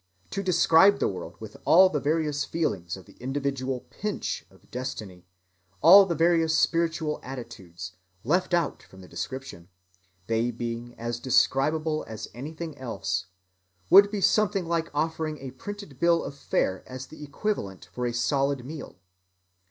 To describe the world with all the various feelings of the individual pinch of destiny, all the various spiritual attitudes, left out from the description—they being as describable as anything else—would be something like offering a printed bill of fare as the equivalent for a solid meal.